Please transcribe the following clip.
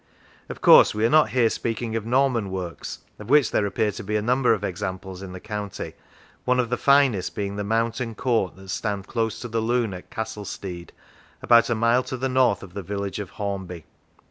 Of course, we are not here speaking of Norman works, of which there appear to be a number of examples in the county, one of the finest being the mount and court that stand close to the Lune at Castlestede, about a mile to the north of the village of Hornby.